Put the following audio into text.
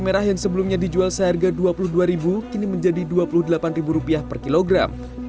merah yang sebelumnya dijual seharga rp dua puluh dua kini menjadi rp dua puluh delapan per kilogram